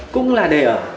cũng là để ở